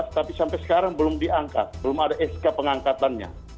tapi sampai sekarang belum diangkat belum ada sk pengangkatannya